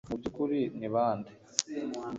mu byukuri ni bande